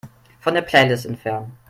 Von der Playlist entfernen.